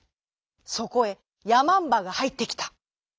そこへやまんばがはいってきた。